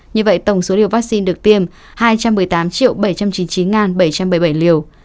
như vậy tổng số liều vaccine được tiêm hai trăm một mươi tám bảy trăm chín mươi chín bảy trăm bảy mươi bảy liều